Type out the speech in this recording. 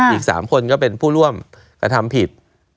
อีก๓คนก็เป็นผู้ร่วมกระทำผิด